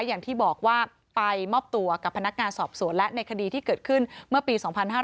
อย่างที่บอกว่าไปมอบตัวกับพนักงานสอบสวนและในคดีที่เกิดขึ้นเมื่อปี๒๕๕๙